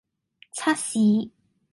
測試